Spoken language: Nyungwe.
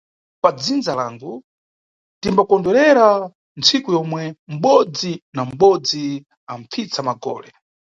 Padzindza langu, timbakondwerera ntsiku yomwe mʼbodzi na mʼbodzi amʼpfitsa magole